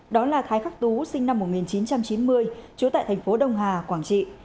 đó là thái khắc tú sinh năm một nghìn chín trăm chín mươi trú tại thành phố đông hà quảng trị